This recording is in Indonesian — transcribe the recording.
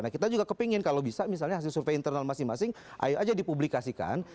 nah kita juga kepingin kalau bisa misalnya hasil survei internal masing masing ayo aja dipublikasikan